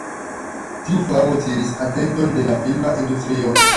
Tiu famo tiris atenton de la filma industrio.